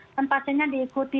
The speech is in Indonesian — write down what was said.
dan pastinya diikuti